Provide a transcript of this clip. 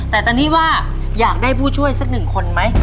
แต่ตอนนี้ว่าอยากได้ผู้ช่วยสักหนึ่งคนไหม